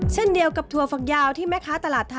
เช่นเดียวกับถั่วฝักยาวที่แม่ค้าตลาดไทย